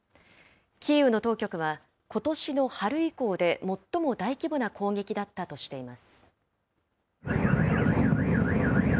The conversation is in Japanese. キーウの当局はことしの春以降で最も大規模な攻撃だったとしています。